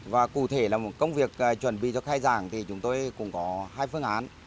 và cụ thể là một công việc chuẩn bị cho khai giảng thì chúng tôi cũng có hai phương án